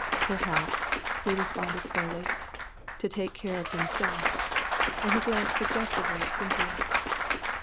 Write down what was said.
"Perhaps," he responded slowly, "to take care of himself." And he glanced suggestively at Cynthia.